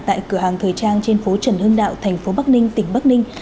tại cửa hàng thời trang trên phố trần hưng đạo thành phố bắc ninh tỉnh bắc ninh